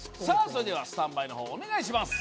それではスタンバイの方お願いします